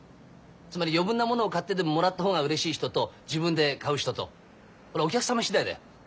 つまり余分なものを買ってでももらった方がうれしい人と自分で買う人とそれはお客様次第だよ。